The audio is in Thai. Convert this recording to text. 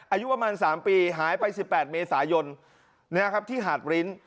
อายุประมาณสามปีหายไปสิบแปดเมษายนนะครับที่หาดลิ้น